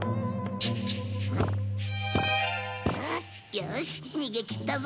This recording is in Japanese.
よし逃げきったぞ。